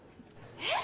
えっ！